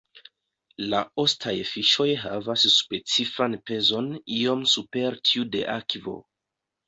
La ostaj fiŝoj havas specifan pezon iom super tiu de akvo.